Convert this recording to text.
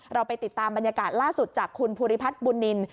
เราไปติดตามบรรยากาศล่าสุดจากคุณภูริพัฒน์บุญนิน